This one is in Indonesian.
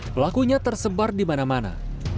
pelakunya tersebar di mana mana